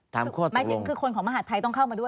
คือคนของมหาดไทยต้องเข้ามาด้วย